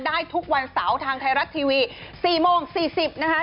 ได้ทุกวันเสาร์ทางไทยรัฐทีวี๔โมง๔๐นะคะ